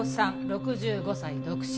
６５歳独身。